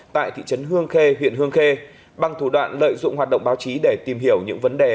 tại thị trấn hương khê huyện hương khê bằng thủ đoạn lợi dụng hoạt động báo chí để tìm hiểu những vấn đề